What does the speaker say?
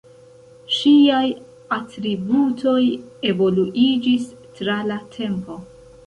Ŝiaj atributoj evoluiĝis tra la tempo.